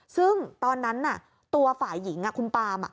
ซึ่งตอนนั้นตัวฝ่ายหญิงคุณปาม